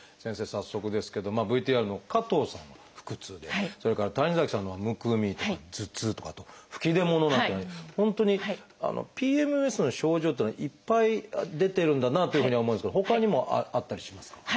早速ですけどＶＴＲの加藤さん腹痛でそれから谷崎さんのほうはむくみとか頭痛とかあと吹き出物なんていうような本当にＰＭＳの症状っていうのはいっぱい出てるんだなというふうには思うんですけどほかにもあったりしますか？